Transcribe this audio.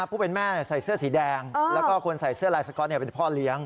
ผู้เป็นแม่ใส่เสื้อสีแดงแล้วก็คนใส่เสื้อลายสก๊อตเป็นพ่อเลี้ยง